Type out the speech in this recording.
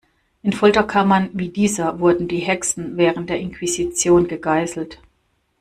In Folterkammern wie dieser wurden die Hexen während der Inquisition gegeißelt.